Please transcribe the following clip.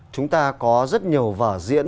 chúng ta có rất nhiều vở diễn